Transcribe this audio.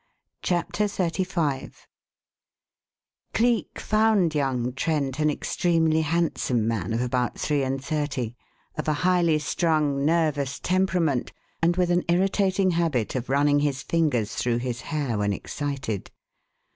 Chapter XXXV Cleek found young Trent an extremely handsome man of about three and thirty; of a highly strung, nervous temperament, and with an irritating habit of running his fingers through his hair when excited.